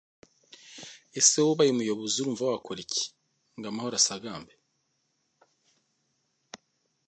Ese wowe ubaye umuyobozi, urumva wakora iki ngo amahoro asagambe?